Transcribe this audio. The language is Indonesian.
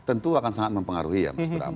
tentu akan sangat mempengaruhi ya mas bram